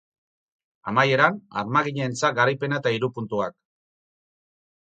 Amaieran, armaginentzat garaipena eta hiru puntuak.